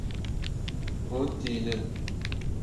Hûn tînin.